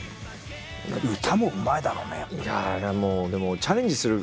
歌もうまいだろうねやっぱりね。